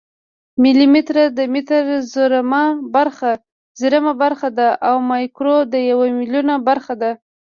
ملي متر د متر زرمه برخه ده او مایکرو د یو میلیونمه برخه ده.